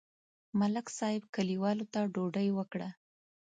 ملک صاحب کلیوالو ته ډوډۍ وکړه.